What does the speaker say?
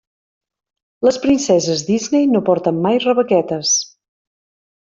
Les princeses Disney no porten mai rebequetes.